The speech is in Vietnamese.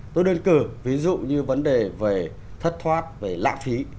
tôi đơn cờ ví dụ như vấn đề về thất thoát về lãng phí